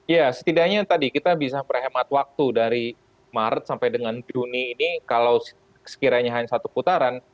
ya setidaknya tadi kita bisa berhemat waktu dari maret sampai dengan juni ini kalau sekiranya hanya satu putaran